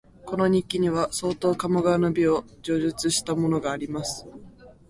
この日記には、相当鴨川の美を叙述したものがあります